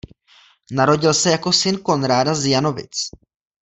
Narodil se jako syn Konráda z Janovic.